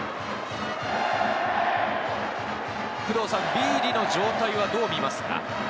ビーディの状態はどう見ますか？